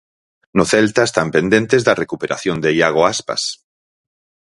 No Celta están pendentes da recuperación de Iago Aspas.